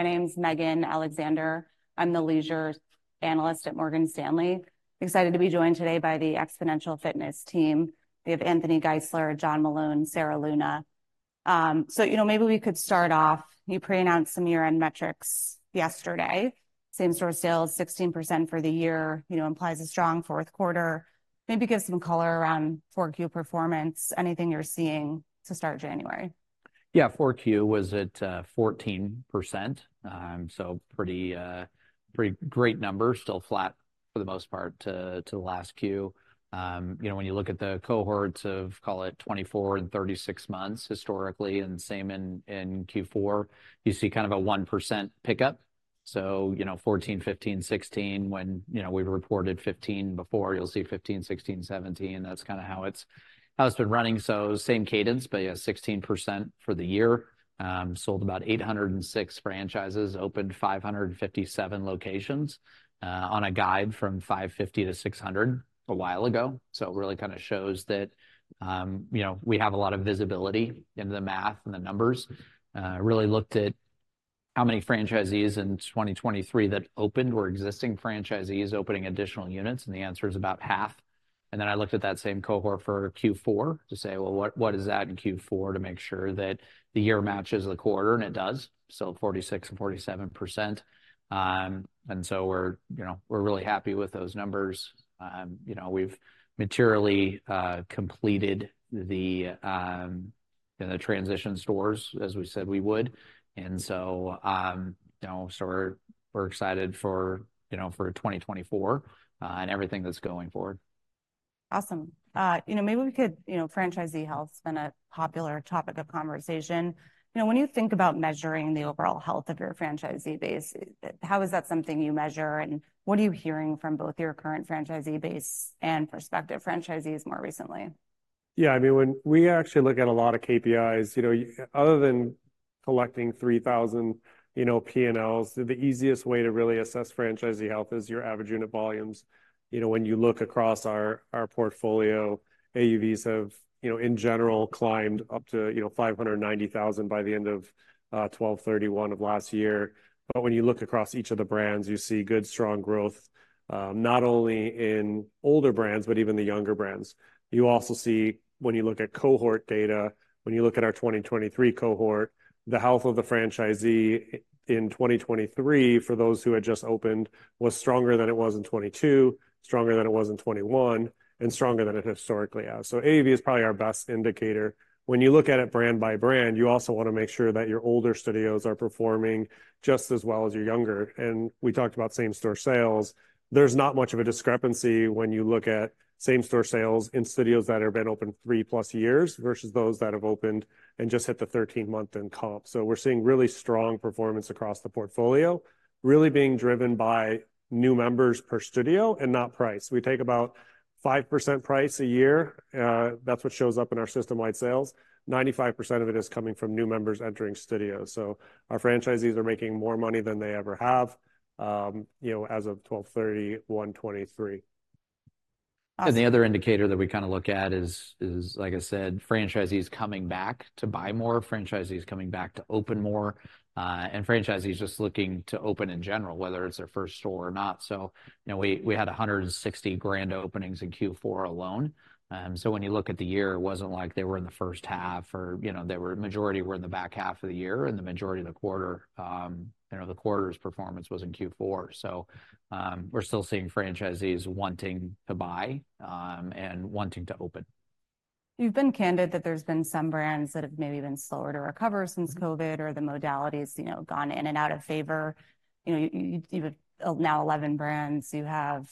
My name's Megan Alexander. I'm the leisure analyst at Morgan Stanley. Excited to be joined today by the Xponential Fitness team. We have Anthony Geisler, John Meloun, Sarah Luna. So, you know, maybe we could start off, you pre-announced some year-end metrics yesterday, same-store sales 16% for the year, you know, implies a strong fourth quarter. Maybe give some color around 4Q performance, anything you're seeing to start January? Yeah, Q4 was at 14%, so pretty great number, still flat for the most part to the last Q. You know, when you look at the cohorts of, call it, 24 months and 36 months historically, and same in Q4, you see kind of a 1% pickup. So, you know, 14 months, 15 months, 16 months, when, you know, we reported 15 months before, you'll see 15 months, 16 months, 17 months. That's kind of how it's been running, so same cadence, but, yeah, 16% for the year. Sold about 806 franchises, opened 557 locations on a guide from 550 locations-600 locations a while ago. So it really kind of shows that, you know, we have a lot of visibility into the math and the numbers. I really looked at how many franchisees in 2023 that opened were existing franchisees opening additional units, and the answer is about half. And then I looked at that same cohort for Q4 to say, "Well, what, what is that in Q4?" To make sure that the year matches the quarter, and it does, so 46% and 47%. And so we're, you know, we're really happy with those numbers. You know, we've materially completed the transition stores, as we said we would. And so, you know, so we're, we're excited for, you know, for 2024, and everything that's going forward. Awesome. You know, maybe we could... You know, franchisee health's been a popular topic of conversation. You know, when you think about measuring the overall health of your franchisee base, how is that something you measure, and what are you hearing from both your current franchisee base and prospective franchisees more recently? Yeah, I mean, when we actually look at a lot of KPIs, you know, other than collecting 3,000, you know, P&Ls, the easiest way to really assess franchisee health is your average unit volumes. You know, when you look across our, our portfolio, AUVs have, you know, in general, climbed up to, you know, $590,000 by the end of 31st December of last year. But when you look across each of the brands, you see good, strong growth, not only in older brands but even the younger brands. You also see when you look at cohort data, when you look at our 2023 cohort, the health of the franchisee in 2023, for those who had just opened, was stronger than it was in 2022, stronger than it was in 2021, and stronger than it historically has. So AUV is probably our best indicator. When you look at it brand by brand, you also want to make sure that your older studios are performing just as well as your younger. We talked about same-store sales. There's not much of a discrepancy when you look at same-store sales in studios that have been open 3+ years versus those that have opened and just hit the 13-month in comp. So we're seeing really strong performance across the portfolio, really being driven by new members per studio and not price. We take about 5% price a year, that's what shows up in our system-wide sales. 95% of it is coming from new members entering studios, so our franchisees are making more money than they ever have, you know, as of 12/30/2023. Awesome- The other indicator that we kind of look at is, like I said, franchisees coming back to buy more, franchisees coming back to open more, and franchisees just looking to open in general, whether it's their first store or not. So you know, we had 160 grand openings in Q4 alone. So when you look at the year, it wasn't like they were in the first half or, you know, majority were in the back half of the year, and the majority of the quarter, you know, the quarter's performance was in Q4. So, we're still seeing franchisees wanting to buy, and wanting to open. You've been candid that there's been some brands that have maybe been slower to recover since COVID or the modality has, you know, gone in and out of favor. You know, you, you've now 11 brands, you have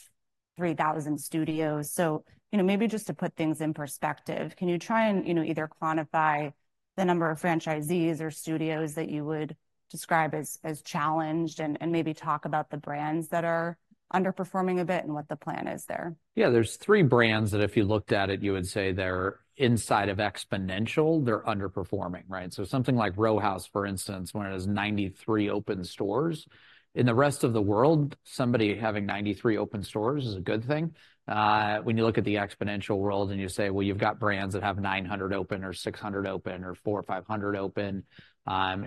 3,000 studios. So, you know, maybe just to put things in perspective, can you try and, you know, either quantify the number of franchisees or studios that you would describe as challenged, and maybe talk about the brands that are underperforming a bit and what the plan is there? Yeah, there's three brands that if you looked at it, you would say they're inside of Xponential, they're underperforming, right? So something like Row House, for instance, when it has 93 open stores. In the rest of the world, somebody having 93 open stores is a good thing. When you look at the Xponential world and you say: Well, you've got brands that have 900 open or 600 open, or 400 openor 500 open,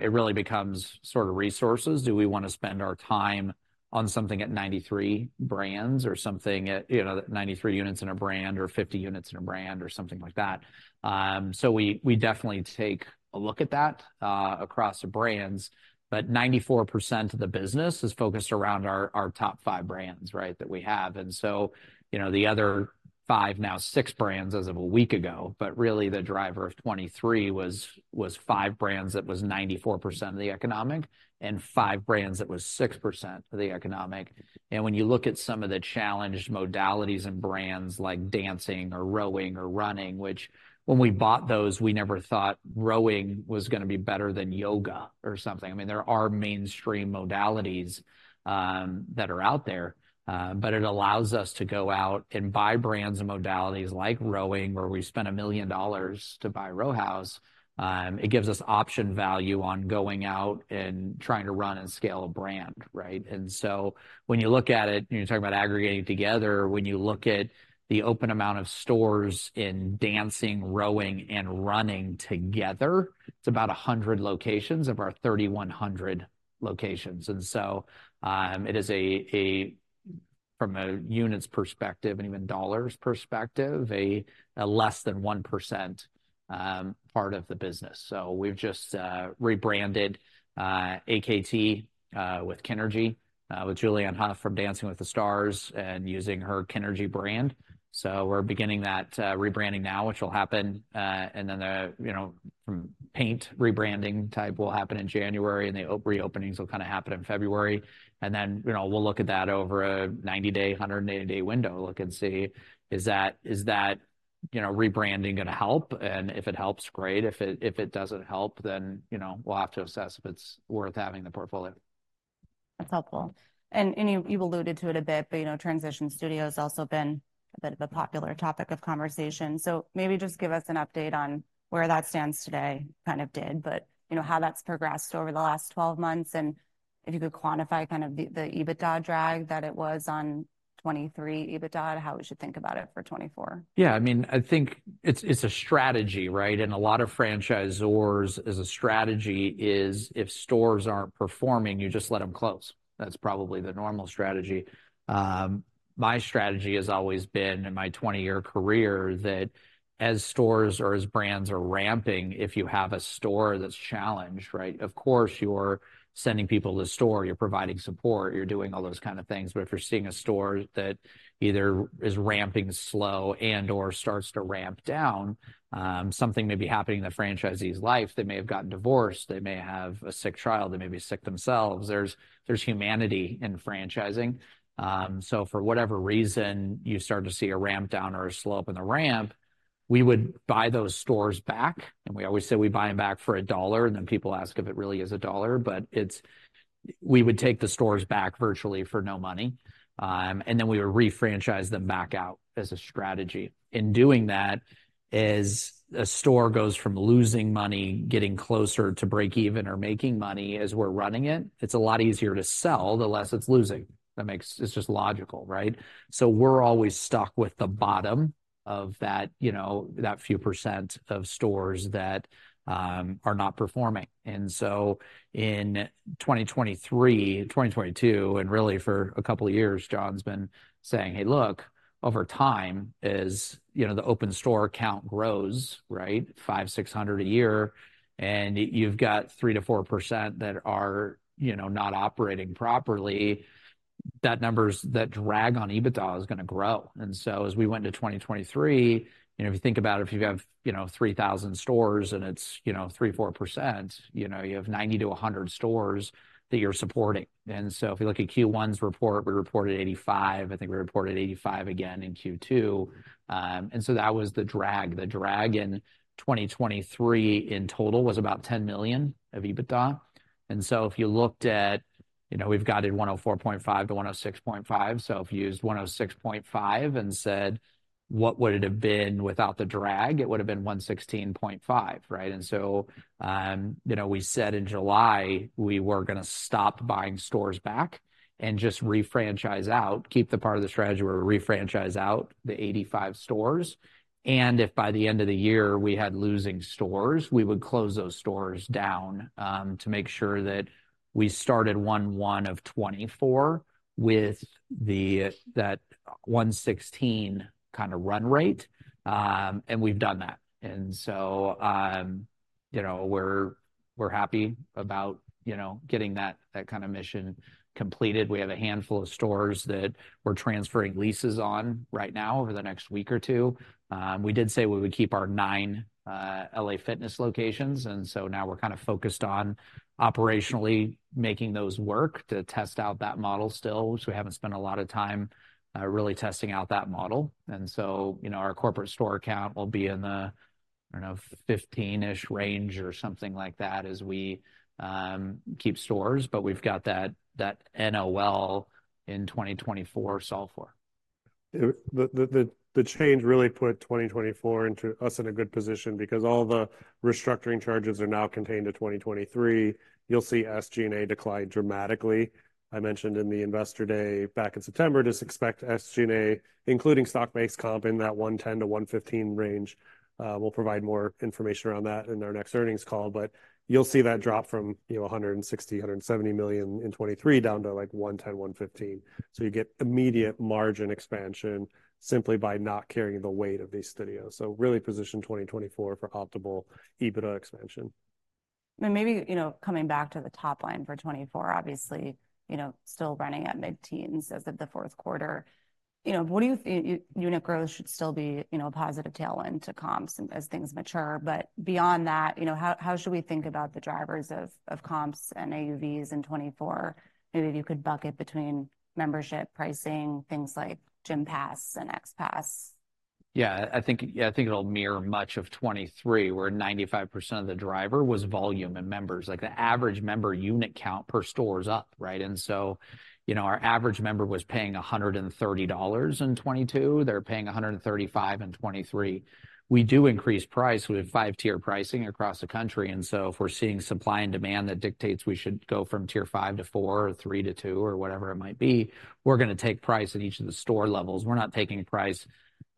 it really becomes sort of resources. Do we want to spend our time on something at 93 brands or something at, you know, 93 units in a brand or 50 units in a brand or something like that? So we definitely take a look at that across the brands, but 94% of the business is focused around our top five brands, right, that we have. And so, you know, the other 5 brands, now 6 brands as of a week ago, but really the driver of 2023 was 5 brands that was 94% of the economic and 5 brands that was 6% of the economic. And when you look at some of the challenged modalities and brands like dancing or rowing or running, which when we bought those, we never thought rowing was gonna be better than yoga or something. I mean, there are mainstream modalities that are out there, but it allows us to go out and buy brands and modalities like rowing, where we spent $1 million to buy Row House. It gives us option value on going out and trying to run and scale a brand, right? And so when you look at it, you're talking about aggregating together, when you look at the open amount of stores in dancing, rowing, and running together, it's about 100 locations of our 3,100 locations. And so it is a from a units perspective and even dollars perspective, a less than 1% part of the business. So we've just rebranded AKT with Kinrgy with Julianne Hough from Dancing With the Stars, and using her Kinrgy brand. So we're beginning that rebranding now, which will happen, and then the, you know, from paint rebranding type will happen in January, and the reopenings will kinda happen in February. And then, you know, we'll look at that over a 90-day, 180-day window, look and see, is that, is that, you know, rebranding gonna help? And if it helps, great. If it doesn't help, then, you know, we'll have to assess if it's worth having the portfolio. That's helpful. And you've alluded to it a bit, but, you know, transition studios also been a bit of a popular topic of conversation. So maybe just give us an update on where that stands today, kind of, but, you know, how that's progressed over the last 12 months, and if you could quantify kind of the EBITDA drag that it was on 2023 EBITDA, how we should think about it for 2024. Yeah, I mean, I think it's, it's a strategy, right? And a lot of franchisors as a strategy is, if stores aren't performing, you just let 'em close. That's probably the normal strategy. My strategy has always been, in my 20-year career, that as stores or as brands are ramping, if you have a store that's challenged, right, of course, you're sending people to the store, you're providing support, you're doing all those kind of things. But if you're seeing a store that either is ramping slow and/or starts to ramp down, something may be happening in the franchisee's life. They may have gotten divorced, they may have a sick child, they may be sick themselves. There's, there's humanity in franchising. So for whatever reason, you start to see a ramp down or a slope in the ramp, we would buy those stores back, and we always say we buy 'em back for a dollar, and then people ask if it really is a dollar. But it's... We would take the stores back virtually for no money, and then we would re-franchise them back out as a strategy. In doing that, as a store goes from losing money, getting closer to break even, or making money as we're running it, it's a lot easier to sell, the less it's losing. It's just logical, right? So we're always stuck with the bottom of that, you know, that few percent of stores that are not performing. And so in 2023, 2022, and really for a couple of years, John's been saying: "Hey, look, over time, as, you know, the open store count grows, right, 500 store-600 store a year, and you've got 3%-4% that are, you know, not operating properly, that number's, that drag on EBITDA is gonna grow." And so as we went into 2023, you know, if you think about it, if you have, you know, 3,000 stores, and it's, you know, 3%-4%, you know, you have 90-100 stores that you're supporting. And so if you look at Q1's report, we reported 85, I think we reported 85 again in Q2. And so that was the drag. The drag in 2023 in total was about $10 million of EBITDA. If you looked at, you know, we've guided $104.5-$106.5, so if you used $106.5 and said: "What would it have been without the drag?" It would've been $116.5, right? And so, you know, we said in July we were gonna stop buying stores back and just re-franchise out, keep the part of the strategy where we re-franchise out the 85 stores. And if by the end of the year we had losing stores, we would close those stores down, to make sure that we started January 1st 2024 with the, that 116 kind of run rate. And we've done that. And so, you know, we're happy about, you know, getting that kind of mission completed. We have a handful of stores that we're transferring leases on right now, over the next week or two. We did say we would keep our nine LA Fitness locations, and so now we're kinda focused on operationally making those work to test out that model still, which we haven't spent a lot of time really testing out that model. So, you know, our corporate store count will be in the, I don't know, 15-ish range or something like that as we keep stores, but we've got that, that NOL in 2024 solved for. The change really put 2024 into us in a good position because all the restructuring charges are now contained to 2023. You'll see SG&A decline dramatically. I mentioned in the Investor Day back in September, just expect SG&A, including stock-based comp, in that $110 million-$115 million range. We'll provide more information around that in our next earnings call. But you'll see that drop from, you know, $160 million-$170 million in 2023, down to, like, $110 million-$115 million. So you get immediate margin expansion simply by not carrying the weight of these studios. So really position 2024 for optimal EBITDA expansion. Maybe, you know, coming back to the top line for 2024, obviously, you know, still running at mid-teens as of the fourth quarter, you know, what do you think... unit growth should still be, you know, a positive tailwind to comps, as things mature. But beyond that, you know, how should we think about the drivers of comps and AUVs in 2024? Maybe if you could bucket between membership, pricing, things like Gympass and XPASS?... Yeah, I think, yeah, I think it'll mirror much of 2023, where 95% of the driver was volume and members. Like, the average member unit count per store is up, right? And so, you know, our average member was paying $130 in 2022. They're paying $135 in 2023. We do increase price. We have 5-tier pricing across the country, and so if we're seeing supply and demand that dictates we should go from tier 5-tier 4 or tier 3-tier 2 or whatever it might be, we're gonna take price at each of the store levels. We're not taking a price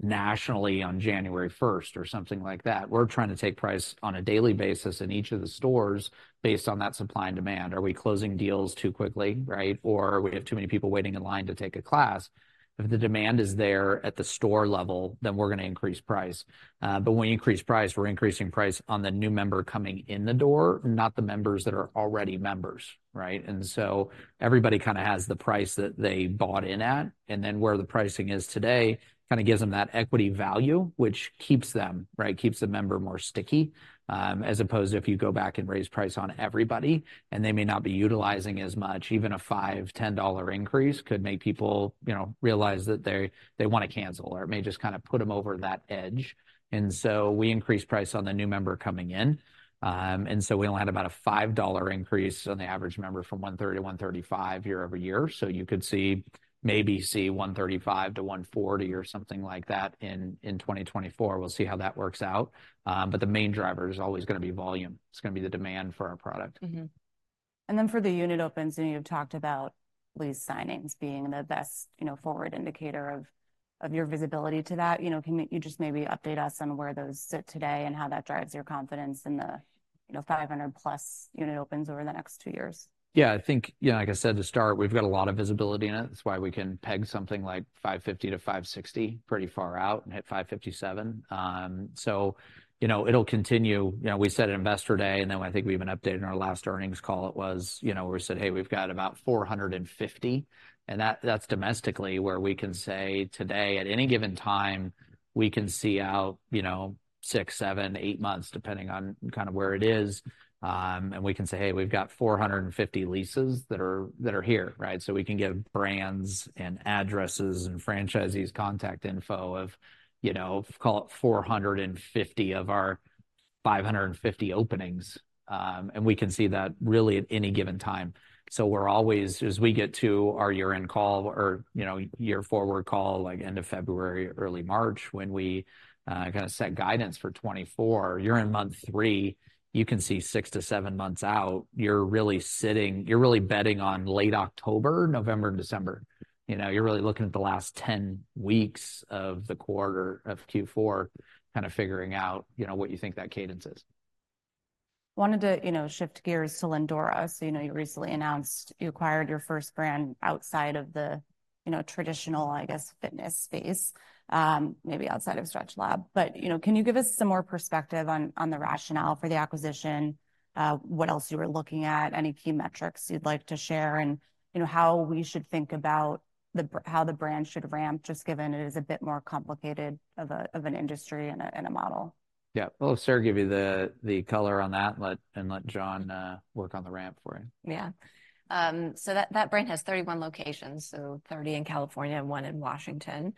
nationally on January 1st or something like that. We're trying to take price on a daily basis in each of the stores based on that supply and demand. Are we closing deals too quickly, right? Or we have too many people waiting in line to take a class. If the demand is there at the store level, then we're gonna increase price. But when we increase price, we're increasing price on the new member coming in the door, not the members that are already members, right? And so everybody kinda has the price that they bought in at, and then where the pricing is today, kinda gives them that equity value, which keeps them, right, keeps the member more sticky. As opposed to if you go back and raise price on everybody, and they may not be utilizing as much, even a $5-$10 increase could make people, you know, realize that they, they wanna cancel, or it may just kinda put them over that edge. And so we increase price on the new member coming in. And so we only had about a $5 increase on the average member from $130-$135 year-over-year. So you could see, maybe see $135-$140 or something like that in 2024. We'll see how that works out, but the main driver is always gonna be volume. It's gonna be the demand for our product. Mm-hmm. And then for the unit opens, and you've talked about lease signings being the best, you know, forward indicator of your visibility to that. You know, can you just maybe update us on where those sit today and how that drives your confidence in the, you know, 500+ unit opens over the next two years? Yeah, I think, you know, like I said at the start, we've got a lot of visibility in it. That's why we can peg something like $550-$560 pretty far out and hit $557. So you know, it'll continue. You know, we said at Investor Day, and then I think we even updated our last earnings call, it was, you know, we said: "Hey, we've got about 450," and that, that's domestically where we can say today, at any given time, we can see out, you know, six, seven, eight months, depending on kinda where it is. And we can say: "Hey, we've got 450 leases that are, that are here," right? So we can get brands and addresses and franchisees' contact info of, you know, call it 450 openings of our 550 openings. And we can see that really at any given time. So we're always... as we get to our year-end call or, you know, year forward call, like end of February, early March, when we, kinda set guidance for 2024, you're in month three, you can see six to seven months out. You're really sitting- you're really betting on late October, November, and December. You know, you're really looking at the last 10 weeks of the quarter of Q4, kinda figuring out, you know, what you think that cadence is. Wanted to, you know, shift gears to Lindora. So, you know, you recently announced you acquired your first brand outside of the, you know, traditional, I guess, fitness space, maybe outside of StretchLab. But, you know, can you give us some more perspective on the rationale for the acquisition, what else you were looking at, any key metrics you'd like to share, and you know, how we should think about how the brand should ramp, just given it is a bit more complicated of an industry and a model? Yeah. Well, let Sarah give you the, the color on that, and let John work on the ramp for you. Yeah. So that, that brand has 31 locations, so 30 locations in California and 1 location in Washington.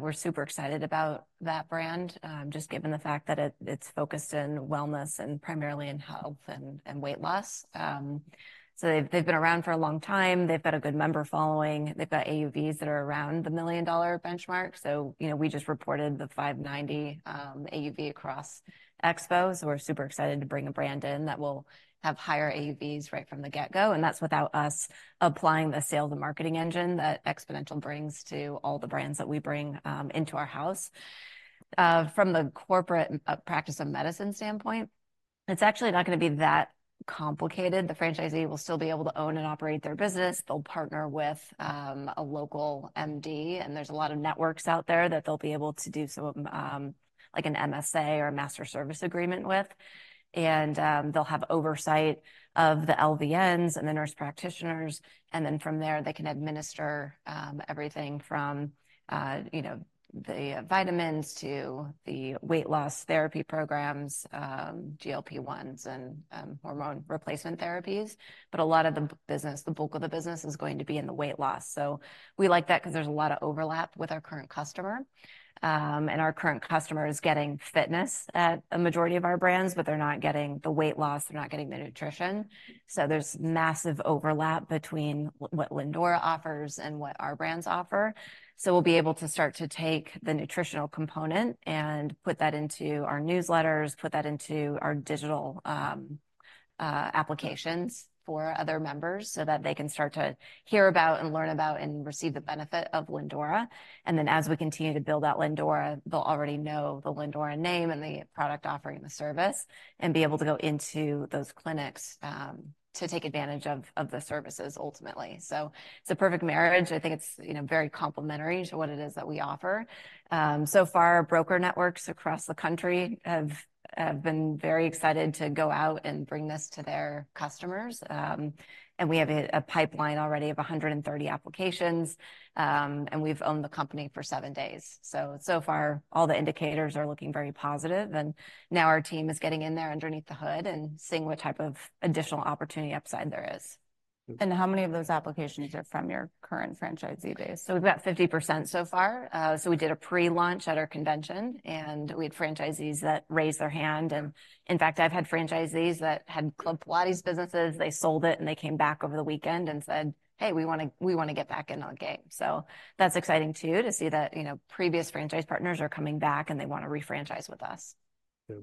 We're super excited about that brand, just given the fact that it, it's focused in wellness and primarily in health and, and weight loss. So they've, they've been around for a long time. They've got a good member following. They've got AUVs that are around the $1 million benchmark. So, you know, we just reported the $590 AUV across Xpo, so we're super excited to bring a brand in that will have higher AUVs right from the get-go, and that's without us applying the sales and marketing engine that Xponential brings to all the brands that we bring into our house. From the corporate practice and medicine standpoint, it's actually not gonna be that complicated. The franchisee will still be able to own and operate their business. They'll partner with a local MD, and there's a lot of networks out there that they'll be able to do some like an MSA or a master service agreement with. And they'll have oversight of the LVNs and the nurse practitioners, and then from there, they can administer everything from you know, the vitamins to the weight loss therapy programs, GLP-1s and hormone replacement therapies. But a lot of the business, the bulk of the business is going to be in the weight loss. So we like that 'cause there's a lot of overlap with our current customer and our current customer is getting fitness at a majority of our brands, but they're not getting the weight loss, they're not getting the nutrition. So there's massive overlap between what Lindora offers and what our brands offer. So we'll be able to start to take the nutritional component and put that into our newsletters, put that into our digital, applications for other members so that they can start to hear about and learn about and receive the benefit of Lindora. And then, as we continue to build out Lindora, they'll already know the Lindora name and the product offering and the service and be able to go into those clinics, to take advantage of, of the services ultimately. So it's a perfect marriage. I think it's, you know, very complementary to what it is that we offer. So far, broker networks across the country have, have been very excited to go out and bring this to their customers. And we have a pipeline already of 130 applications, and we've owned the company for seven days. So far, all the indicators are looking very positive, and now our team is getting in there underneath the hood and seeing what type of additional opportunity upside there is. ... And how many of those applications are from your current franchisee base? So we've got 50% so far. So we did a pre-launch at our convention, and we had franchisees that raised their hand. And in fact, I've had franchisees that had Club Pilates businesses, they sold it, and they came back over the weekend and said, "Hey, we wanna, we wanna get back in on the game." So that's exciting, too, to see that, you know, previous franchise partners are coming back, and they want to re-franchise with us. Yeah.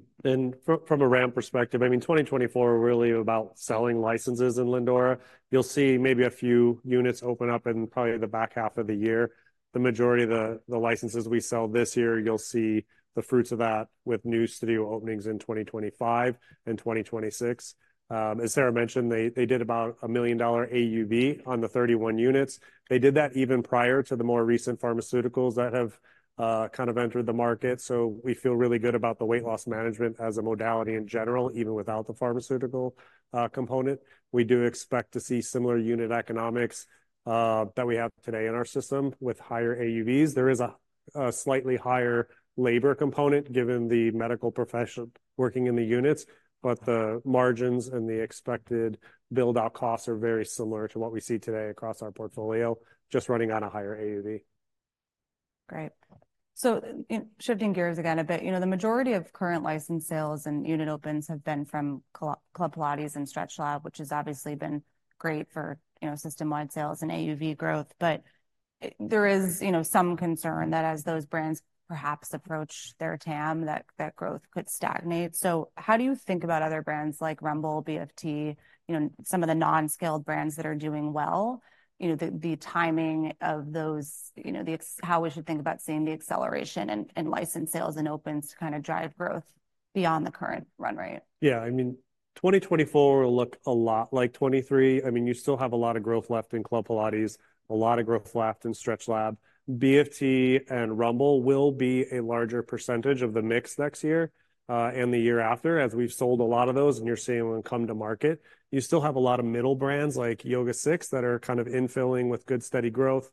From a ramp perspective, I mean, 2024 is really about selling licenses in Lindora. You'll see maybe a few units open up in probably the back half of the year. The majority of the licenses we sell this year, you'll see the fruits of that with new studio openings in 2025 and 2026. As Sarah mentioned, they did about a $1 million AUV on the 31 units. They did that even prior to the more recent pharmaceuticals that have kind of entered the market, so we feel really good about the weight loss management as a modality in general, even without the pharmaceutical component. We do expect to see similar unit economics that we have today in our system with higher AUVs. There is a slightly higher labor component, given the medical profession working in the units, but the margins and the expected build-out costs are very similar to what we see today across our portfolio, just running on a higher AUV. Great. So, in shifting gears again a bit, you know, the majority of current licensed sales and unit opens have been from Club Pilates and StretchLab, which has obviously been great for, you know, system-wide sales and AUV growth. But, there is, you know, some concern that as those brands perhaps approach their TAM, that that growth could stagnate. So how do you think about other brands like Rumble, BFT, you know, some of the non-scaled brands that are doing well? You know, the timing of those, you know, how we should think about seeing the acceleration and licensed sales and opens to kind of drive growth beyond the current run rate? Yeah, I mean, 2024 will look a lot like 2023. I mean, you still have a lot of growth left in Club Pilates, a lot of growth left in StretchLab. BFT and Rumble will be a larger percentage of the mix next year, and the year after, as we've sold a lot of those, and you're seeing them come to market. You still have a lot of middle brands, like YogaSix, that are kind of infilling with good, steady growth.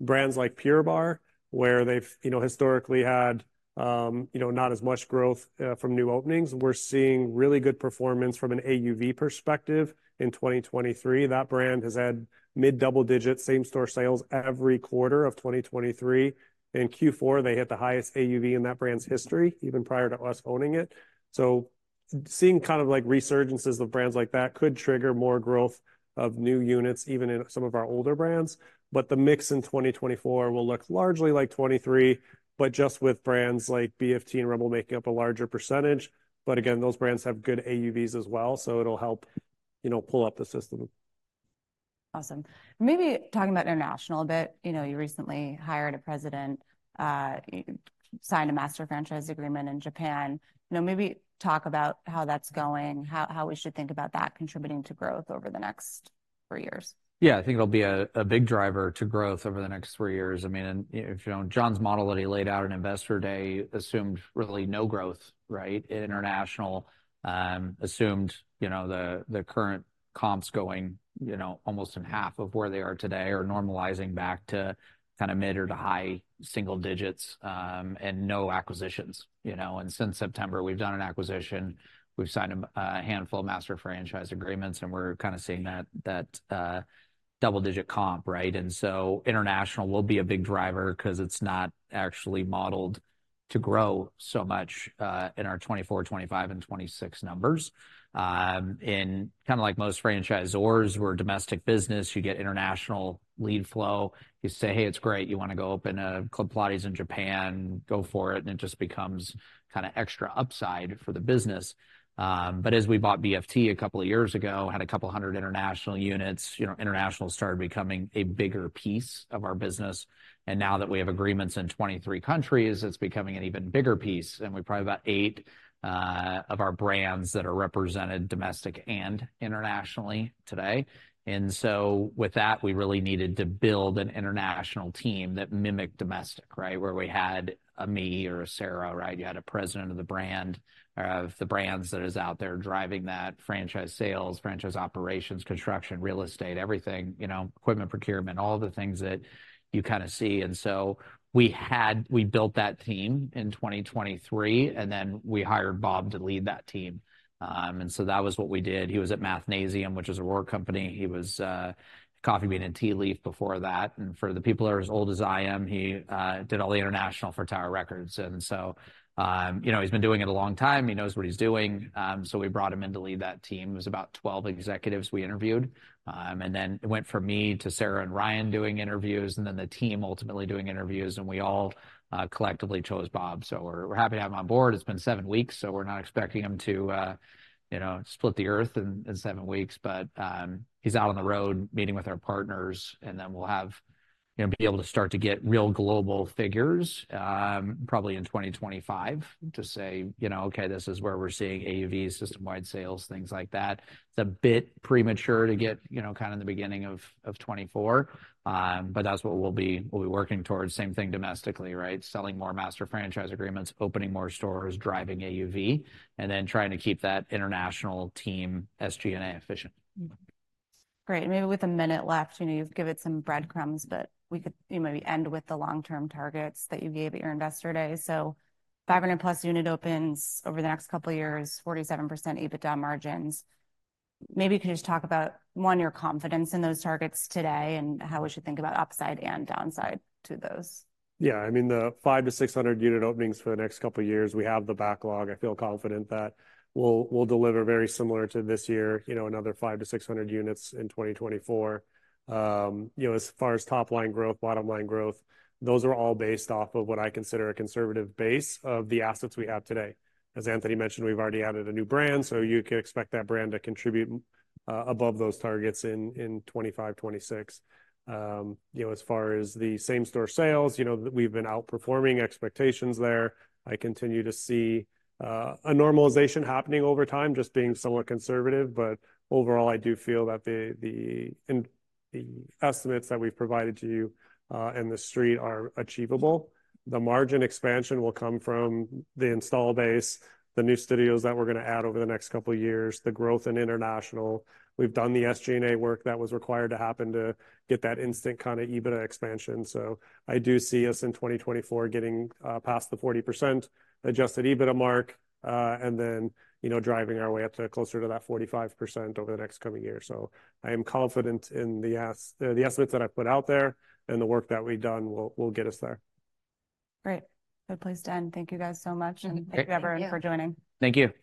Brands like Pure Barre, where they've, you know, historically had, you know, not as much growth from new openings. We're seeing really good performance from an AUV perspective in 2023. That brand has had mid-double-digit same-store sales every quarter of 2023. In Q4, they hit the highest AUV in that brand's history, even prior to us owning it. Seeing kind of like resurgences of brands like that could trigger more growth of new units, even in some of our older brands. But the mix in 2024 will look largely like 2023, but just with brands like BFT and Rumble making up a larger percentage. But again, those brands have good AUVs as well, so it'll help, you know, pull up the system. Awesome. Maybe talking about international a bit, you know, you recently hired a president, you signed a master franchise agreement in Japan. You know, maybe talk about how that's going, how we should think about that contributing to growth over the next three years. Yeah, I think it'll be a big driver to growth over the next three years. I mean, you know, John's model that he laid out in Investor Day assumed really no growth, right? International assumed, you know, the current comps going, you know, almost in half of where they are today or normalizing back to kind of mid or to high single digits, and no acquisitions, you know? And since September, we've done an acquisition, we've signed a handful of master franchise agreements, and we're kind of seeing that double-digit comp, right? And so International will be a big driver 'cause it's not actually modeled to grow so much in our 2024, 2025, and 2026 numbers. And kind of like most franchisors, we're a domestic business, you get international lead flow. You say: "Hey, it's great, you want to go open a Club Pilates in Japan, go for it," and it just becomes kind of extra upside for the business. But as we bought BFT a couple of years ago, had a couple of 100 international units, you know, international started becoming a bigger piece of our business. And now that we have agreements in 23 countries, it's becoming an even bigger piece, and we've probably about 8 of our brands that are represented domestic and internationally today. And so with that, we really needed to build an international team that mimicked domestic, right? Where we had a me or a Sarah, right? You had a president of the brand, of the brands that is out there driving that franchise sales, franchise operations, construction, real estate, everything, you know, equipment procurement, all the things that you kind of see. And so we built that team in 2023, and then we hired Bob to lead that team. And so that was what we did. He was at Mathnasium, which is our company. He was Coffee Bean & Tea Leaf before that, and for the people that are as old as I am, he did all the international for Tower Records. And so, you know, he's been doing it a long time. He knows what he's doing, so we brought him in to lead that team. It was about 12 executives we interviewed. And then it went from me to Sarah and Ryan doing interviews, and then the team ultimately doing interviews, and we all collectively chose Bob. So we're, we're happy to have him on board. It's been seven weeks, so we're not expecting him to, you know, split the Earth in seven weeks. But he's out on the road, meeting with our partners, and then we'll have... you know, be able to start to get real global figures, probably in 2025, to say, you know: "Okay, this is where we're seeing AUV, system-wide sales," things like that. It's a bit premature to get, you know, kind of in the beginning of 2024, but that's what we'll be, we'll be working towards. Same thing domestically, right? Selling more master franchise agreements, opening more stores, driving AUV, and then trying to keep that international team, SG&A efficient. Mm-hmm. Great, and maybe with a minute left, you know, you've give it some breadcrumbs, but we could, you know, maybe end with the long-term targets that you gave at your Investor Day. So 500+ unit opens over the next couple of years, 47% EBITDA margins. Maybe you could just talk about, one, your confidence in those targets today and how we should think about upside and downside to those. Yeah, I mean, the 500 unit-600 unit openings for the next couple of years, we have the backlog. I feel confident that we'll deliver very similar to this year, you know, another 500 units-600 units in 2024. You know, as far as top-line growth, bottom-line growth, those are all based off of what I consider a conservative base of the assets we have today. As Anthony mentioned, we've already added a new brand, so you could expect that brand to contribute above those targets in 2025, 2026. You know, as far as the same-store sales, you know, we've been outperforming expectations there. I continue to see a normalization happening over time, just being somewhat conservative. But overall, I do feel that the estimates that we've provided to you and the Street are achievable. The margin expansion will come from the install base, the new studios that we're going to add over the next couple of years, the growth in international. We've done the SG&A work that was required to happen to get that instant kind of EBITDA expansion. So I do see us in 2024 getting past the 40% adjusted EBITDA mark, and then, you know, driving our way up to closer to that 45% over the next coming year. So I am confident in the estimates that I put out there, and the work that we've done will get us there. Great. Good place to end. Thank you guys so much. Thank-... and thank you, everyone, for joining. Thank you.